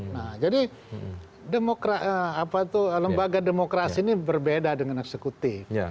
nah jadi lembaga demokrasi ini berbeda dengan eksekutif